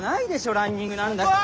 ランニングなんだから。